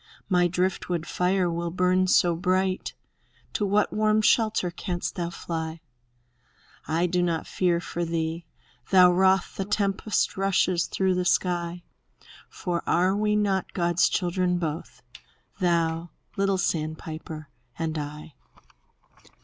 My driftwood fire will burn so bright! To what warm shelter canst thou fly? I do not fear for thee, though wroth The tempest rushes through the sky; For are we not God's children both. Thou, little sandpiper, and I?